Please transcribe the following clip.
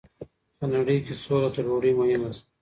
په نړۍ کي سوله تر ډوډۍ مهمه ده.